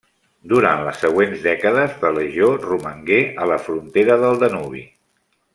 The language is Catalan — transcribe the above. Durant les següents dècades la legió romangué a la frontera del Danubi.